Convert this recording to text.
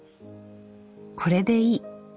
これでいい。